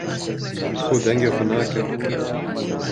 û dengê xwe nake.